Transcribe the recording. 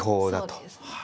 そうですね。